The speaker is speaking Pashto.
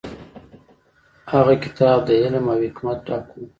هغه کتاب د علم او حکمت ډک و.